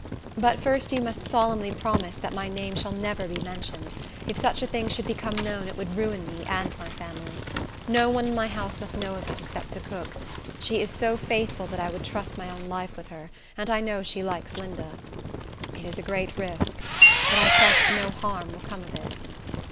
But first you must solemnly promise that my name shall never be mentioned. If such a thing should become known, it would ruin me and my family. No one in my house must know of it, except the cook. She is so faithful that I would trust my own life with her; and I know she likes Linda. It is a great risk; but I trust no harm will come of it.